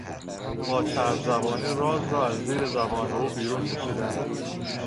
با چرب زبانی راز را از زیر زبان او بیرون کشیدند.